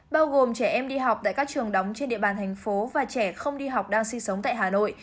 bao gồm trẻ em đi học tại các trường đóng trên địa bàn thành phố và trẻ không đi học đang sinh sống tại hà nội